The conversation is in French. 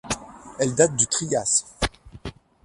Elle date du Trias.